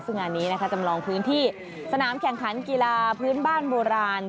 ซึ่งงานนี้นะคะจำลองพื้นที่สนามแข่งขันกีฬาพื้นบ้านโบราณ